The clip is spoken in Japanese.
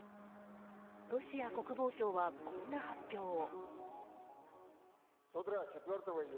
ロシア国防省はこんな発表を。